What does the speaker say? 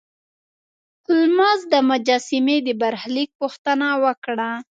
هولمز د مجسمې د برخلیک پوښتنه وکړه.